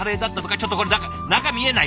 ちょっとこれ中見えない。